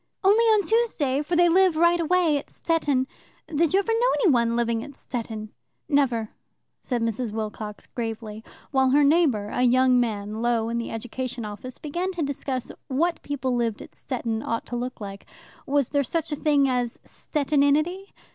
"Only on Tuesday, for they live right away at Stettin. Did you ever know any one living at Stettin?" "Never," said Mrs. Wilcox gravely, while her neighbour, a young man low down in the Education Office, began to discuss what people who lived at Stettin ought to look like. Was there such a thing as Stettininity?